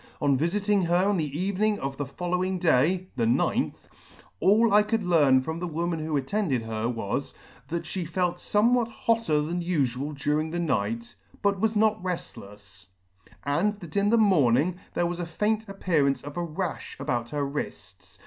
On vifiting her on the evening of the following day (the ninth), all I could learn from the woman who attended her was, that fhe felt fornewhat hotter than ufual during the night, but was not reftlefs ; and that in the morning there was the faint appearance of a rafh about her wrifts.